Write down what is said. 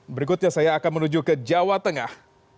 berikutnya saya akan menuju ke jawa tengah